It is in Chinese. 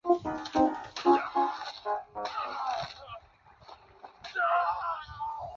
终于松了口气